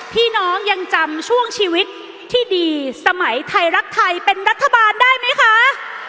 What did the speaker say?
พี่น้องยังจำช่วงชีวิตที่ดีสมัยไทยรักไทยเป็นรัฐบาลได้ไหมคะ